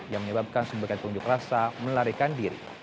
yang menyebabkan sebagian pengunjuk rasa melarikan diri